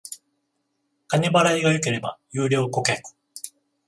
金払いが良ければ優良顧客